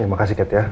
ya makasih kat ya